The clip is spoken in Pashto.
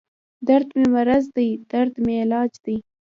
دردمې مرض دی دردمې علاج دی